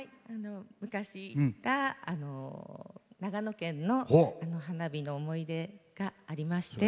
昔、長野県の花火の思い出がありまして。